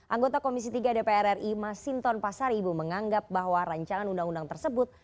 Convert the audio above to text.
anggota komisi tiga dpr ri masinton pasar ibu menganggap bahwa rancangan undang undang tersebut